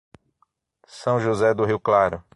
São José do Rio Claro